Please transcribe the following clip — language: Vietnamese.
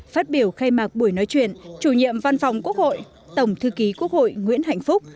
phát biểu khai mạc buổi nói chuyện chủ nhiệm văn phòng quốc hội tổng thư ký quốc hội nguyễn hạnh phúc